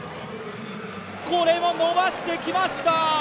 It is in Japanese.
これは伸ばしてきました！